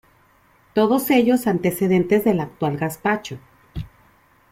Todos ellos antecedentes del actual gazpacho.